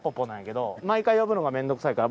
毎回呼ぶのがめんどくさいから。